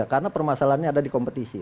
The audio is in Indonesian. karena permasalahannya ada di kompetisi